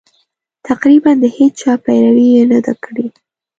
تقریباً د هېچا پیروي یې نه ده کړې.